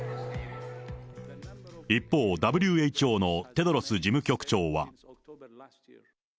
一方、ＷＨＯのテドロス事務局長は。